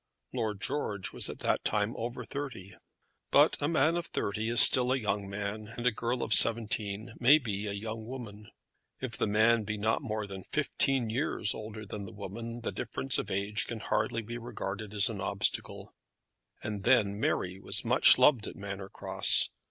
Lord George was at that time over thirty. But a man of thirty is still a young man, and a girl of seventeen may be a young woman. If the man be not more than fifteen years older than the woman the difference of age can hardly be regarded as an obstacle. And then Mary was much loved at Manor Cross.